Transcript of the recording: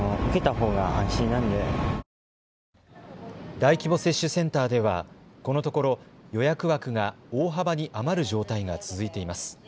大規模接種センターではこのところ予約枠が大幅に余る状態が続いています。